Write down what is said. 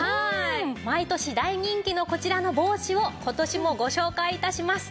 毎年大人気のこちらの帽子を今年もご紹介致します。